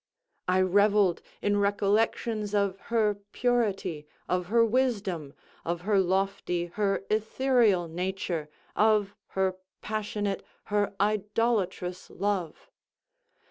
I revelled in recollections of her purity, of her wisdom, of her lofty, her ethereal nature, of her passionate, her idolatrous love.